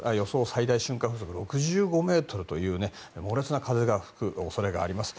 最大瞬間風速が６５メートルという猛烈な風が吹く恐れがあります。